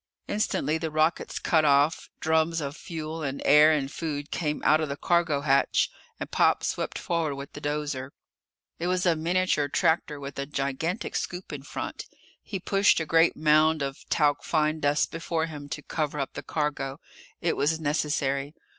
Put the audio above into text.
Instantly the rockets cut off, drums of fuel and air and food came out of the cargo hatch and Pop swept forward with the dozer. It was a miniature tractor with a gigantic scoop in front. He pushed a great mound of talc fine dust before him to cover up the cargo. It was necessary.